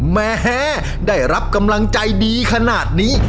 แม่ได้รับกำลังใจดีขนาดนี้